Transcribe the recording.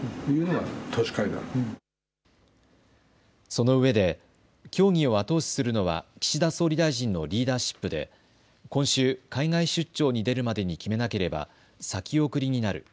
そのうえで協議を後押しするのは岸田総理大臣のリーダーシップで今週、海外出張に出るまでに決めなければ先送りになる。